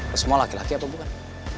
ke semua laki laki apa bukan